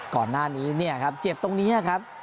ก่อนหน้านี้เนี่ยครับเจ็บตรงนี้ครับ